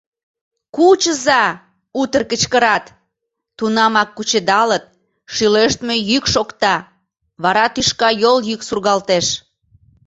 Кучыза! — утыр кычкырат, тунамак кучедалыт, шӱлештме йӱк шокта, вара тӱшка йол йӱк сургалтеш.